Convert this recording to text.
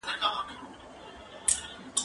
ايا ته ښوونځی ته ځې!.